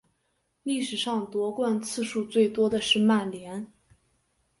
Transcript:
历史上夺冠次数最多的是曼联。